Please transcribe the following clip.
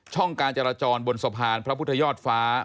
การจราจรบนสะพานพระพุทธยอดฟ้า